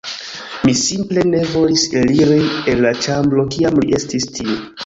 Mi simple ne volis eliri el la ĉambro, kiam li estis tie.